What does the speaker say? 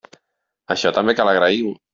Això també cal agrair-ho.